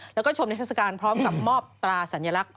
แล้วก็ชมนักศึกษาการพร้อมกับมอบตราสัญลักษณ์